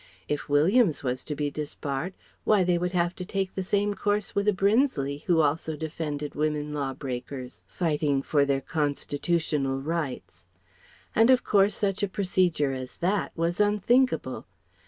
If Williams was to be disbarred, why they would have to take the same course with a Brinsley who also defended women law breakers, fighting for their constitutional rights. And of course such a procedure as that was unthinkable.